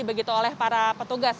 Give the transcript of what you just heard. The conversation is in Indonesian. begitu oleh para petugas